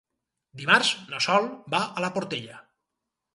Dimarts na Sol va a la Portella.